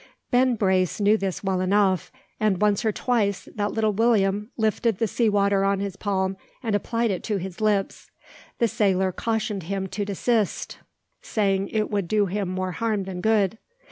Ben Brace knew this well enough; and once or twice that little William lifted the sea water on his palm and applied it to his lips, the sailor cautioned him to desist, saying that it would do him more harm than good.